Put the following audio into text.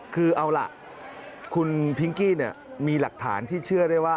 คือเอาล่ะคุณพิงกี้มีหลักฐานที่เชื่อได้ว่า